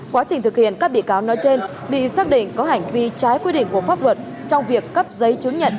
quá trình thực hiện các bị cáo nói trên bị xác định có hành vi trái quy định của pháp luật trong việc cấp giấy chứng nhận